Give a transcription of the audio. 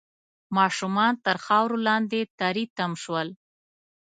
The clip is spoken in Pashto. ماشومان تر خاورو لاندې تري تم شول